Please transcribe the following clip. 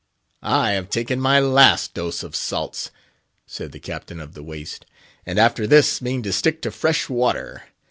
"I have taken my last dose of salts," said the Captain of the Waist, "and after this mean to stick to fresh water.